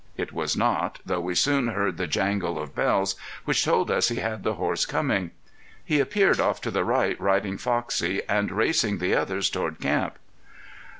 It was not, though we soon heard the jangle of bells, which told us he had the horses coming. He appeared off to the right, riding Foxie and racing the others toward camp.